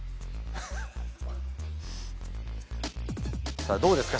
さあどうですか？